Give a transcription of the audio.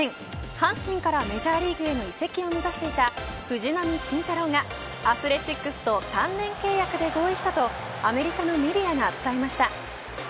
阪神からメジャーリーグへの移籍を目指していた藤浪晋太郎が、アスレチックスと単年契約で合意したとアメリカのメディアが伝えました。